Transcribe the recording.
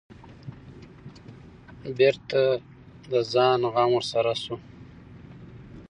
بېرته د ځان غم ورسره شو.